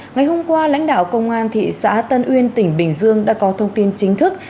ngày hôm qua lãnh đạo công an thị xã tân uyên tỉnh bình dương đã có thông tin chính thức